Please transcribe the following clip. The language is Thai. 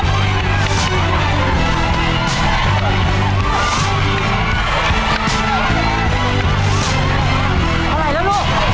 เท่าไหร่แล้วลูก